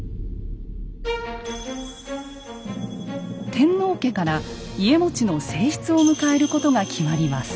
天皇家から家茂の正室を迎えることが決まります。